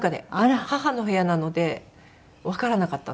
母の部屋なのでわからなかったんですね。